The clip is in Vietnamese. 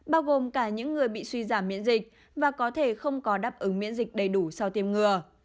bao gồm cả những người bị suy giảm miễn dịch và có thể không có đáp ứng miễn dịch đầy đủ sau tiêm ngừa